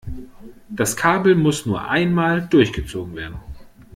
Das Kabel muss nur einmal durchgezogen werden.